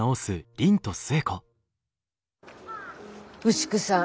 牛久さん